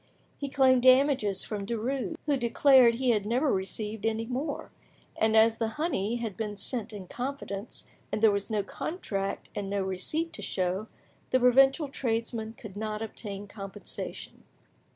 He claimed damages from Derues, who declared he had never received any more, and as the honey had been sent in confidence, and there was no contract and no receipt to show, the provincial tradesman could not obtain compensation.